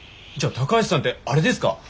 じゃあ高橋さんってあれですか？